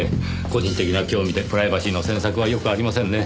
個人的な興味でプライバシーの詮索はよくありませんね。